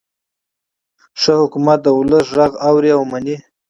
ښه حکومت د ولس غږ اوري او مني.